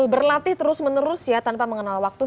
berlatih terus menerus ya tanpa mengenal waktu